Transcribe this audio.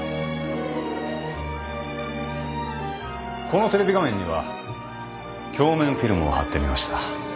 このテレビ画面には鏡面フィルムを貼ってみました。